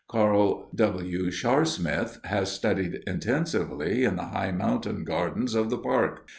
Carl W. Sharsmith has studied intensively in the high mountain "gardens" of the park.